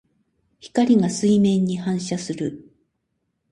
光が水面に反射する。